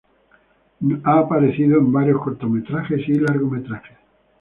Ha aparecido en varios cortometrajes y largometrajes.